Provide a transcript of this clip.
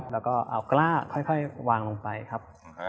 แล้วก็เอากล้าค่อยวางลงไปครับ